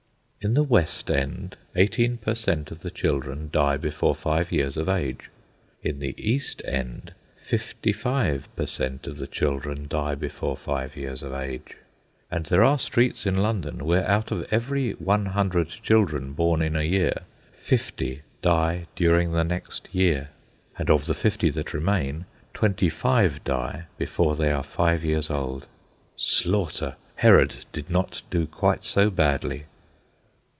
In the West End eighteen per cent. of the children die before five years of age; in the East End fifty five per cent. of the children die before five years of age. And there are streets in London where out of every one hundred children born in a year, fifty die during the next year; and of the fifty that remain, twenty five die before they are five years old. Slaughter! Herod did not do quite so badly.